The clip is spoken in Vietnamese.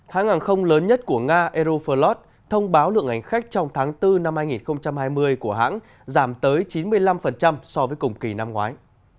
hãng hàng không lớn nhất của nga aeroflot thông báo lượng hành khách trong tháng bốn năm hai nghìn hai mươi của hãng giảm tới chín mươi năm so với cùng kỳ năm ngoái